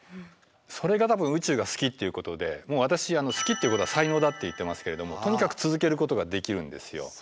それが多分宇宙が好きっていうことでもう私「好きということは才能だ」って言ってますけれどもとにかく続けることができるんですよ。